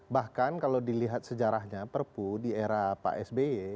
bahkan kalau dilihat sejarahnya perpu di era pak sby